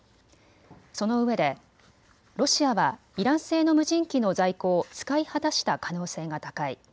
そのうえでロシアはイラン製の無人機の在庫を使い果たした可能性が高い。